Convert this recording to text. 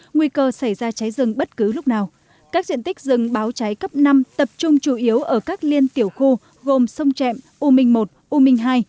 nguy cơ xảy ra cháy rừng bất cứ lúc nào các diện tích rừng báo cháy cấp năm tập trung chủ yếu ở các liên tiểu khu gồm sông trẹm u minh i u minh ii